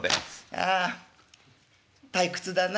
「ああ退屈だな。